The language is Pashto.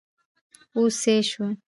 اوس سيي شو!